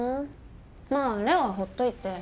まあ礼央はほっといて。